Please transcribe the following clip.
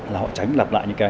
là họ tránh lặp lại những cái